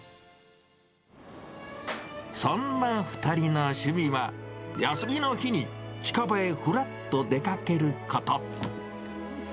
そんな２人の趣味は、休みの日に近場へふらっと出かけること。